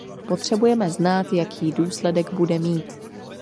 Potřebujeme znát, jaký důsledek bude mít.